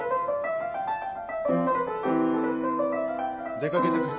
・出かけてくる。